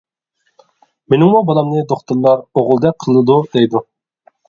مېنىڭمۇ بالامنى دوختۇرلار ئوغۇلدەك قىلىدۇ دەيدۇ.